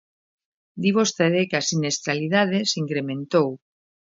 Di vostede que a sinistralidade se incrementou.